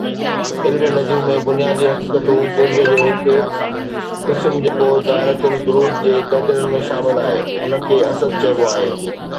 علم نجوم ۾ بنيادي حقيقتون، برج جو هڪ قسم جيڪو دائرة البروج جي درجن ۾ شامل آهي، ان کي اسد چئبو آهي.